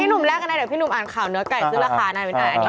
พี่หนุ่มแลกกันได้เดี๋ยวพี่หนุ่มอ่านข่าวเนื้อไก่ซื้อราคาน่ะ